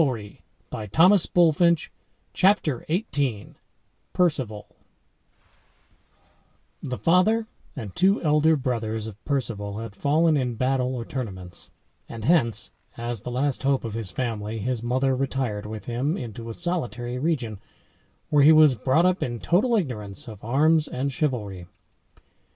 PALED (in heraldry), striped] CHAPTER XVIII PERCEVAL The father and two elder brothers of Perceval had fallen in battle or tournaments, and hence, as the last hope of his family, his mother retired with him into a solitary region, where he was brought up in total ignorance of arms and chivalry.